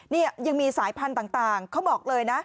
นี่ยังมีสายพันธุ์ต่างเขาบอกเลยนะ